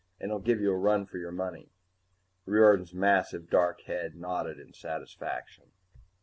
And he'll give you a run for your money." Riordan's massive dark head nodded in satisfaction.